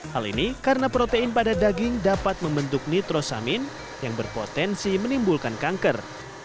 hal ini karena protein pada daging dapat membentuk nitrosamin yang berpotensi menimbulkan kanker